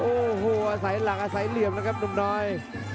โอ้โหสายหลังที่สายเหลือมนะครับนุ่มน้อย